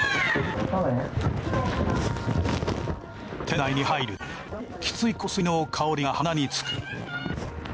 店内に入るときつい香水の香りが鼻につく。